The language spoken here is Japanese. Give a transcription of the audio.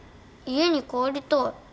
家に帰りたい。